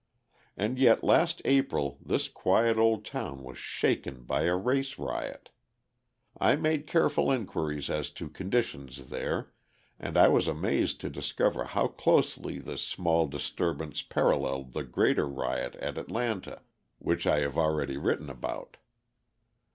And yet last April this quiet old town was shaken by a race riot. I made careful inquiries as to conditions there and I was amazed to discover how closely this small disturbance paralleled the greater riot at Atlanta which I have already written about.